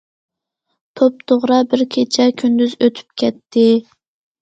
توپتوغرا بىر كېچە- كۈندۈز ئۆتۈپ كەتتى.